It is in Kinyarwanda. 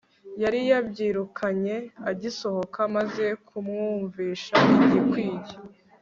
yari yabyirukanye agisohoka maze kumwumvisha igikwiye